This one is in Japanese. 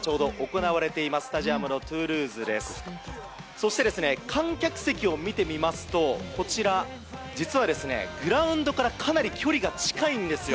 そして、観客席を見てみますと実は、グラウンドからかなり距離が近いんですよ。